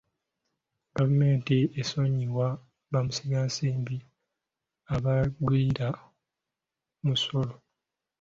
Gavumenti esonyiwa bamusigansimbi abagwira musolo.